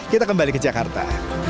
kita kembali ke jakarta